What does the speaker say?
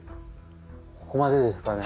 ここまでですかね。